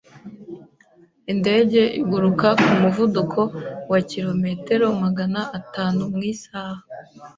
Indege iguruka ku muvuduko wa kilometero magana atanu mu isaha.